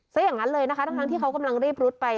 ซะอย่างนั้นเลยนะคะทั้งที่เขากำลังรีบรุดไป